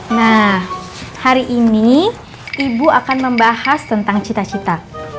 nah hari ini ibu akan membahas tentang cita cita